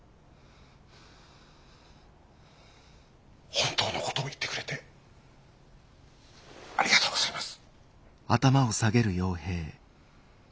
本当のことを言ってくれてありがとうございます。